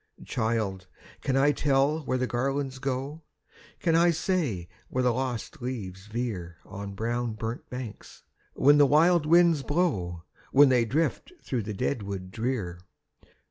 "Child! can I tell where the garlands go? Can I say where the lost leaves veer On the brown burnt banks, when the wild winds blow, When they drift through the dead wood drear?